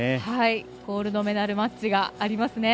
ゴールドメダルマッチがありますね。